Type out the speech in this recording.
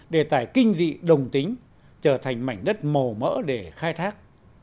đề tài kinh dị đồng tính trở thành mảnh đất màu mỡ để khai thác